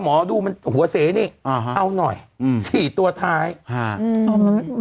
หมอดูมันหัวเสนี่อ่าฮะเอาหน่อยอืมสี่ตัวท้ายฮะอืม